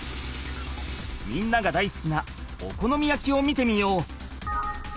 みんながだいすきなお好み焼きを見てみよう！